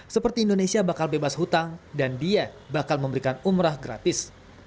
seperti indonesia bakal bebas hutang dan dia bakal memberikan umrah gratis